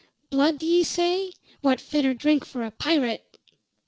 Blood, d' ye say? What fitter drink for a pirate?"